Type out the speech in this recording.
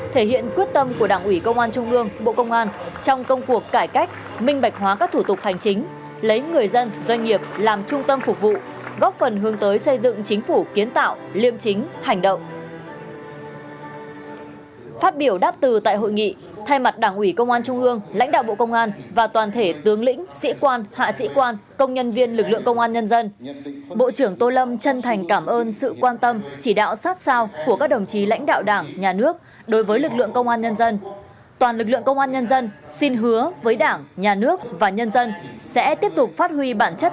thưa ủy quyền của thủ tướng chính phủ bộ trưởng tô lâm đã trao cờ thi đua đơn vị xuất sắc